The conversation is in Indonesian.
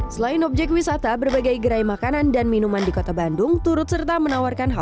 selain objek wisata berbagai gerai makanan dan minuman di kota bandung turut serta menawarkan hal